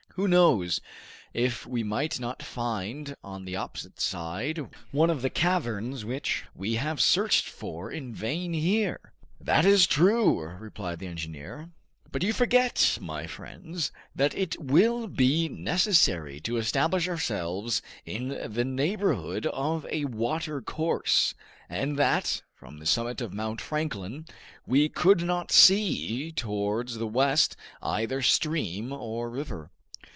"Who knows if we might not find on the opposite side one of the caverns which we have searched for in vain here?" "That is true," replied the engineer, "but you forget, my friends, that it will be necessary to establish ourselves in the neighborhood of a watercourse, and that, from the summit of Mount Franklin, we could not see towards the west, either stream or river.